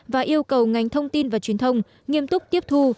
và yêu cầu ngành thông tin và truyền thông nghiêm túc tiếp thu